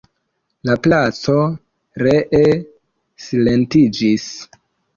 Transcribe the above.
La placo ree silentiĝis.